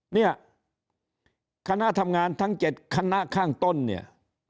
เนี่ยคณะทำงานทั้ง๗คณะข้างต้นเนี่ย